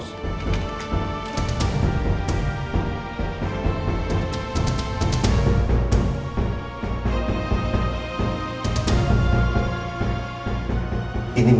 sudah mbak tolong dipaus